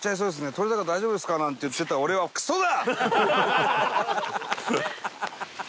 「撮れ高大丈夫ですか？」なんて言ってた俺はクソだ！